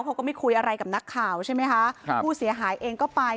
เขาก็ไม่คุยอะไรกับนักข่าวใช่ไหมคะครับผู้เสียหายเองก็ไป